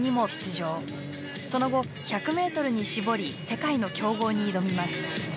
その後１００ｍに絞り世界の強豪に挑みます。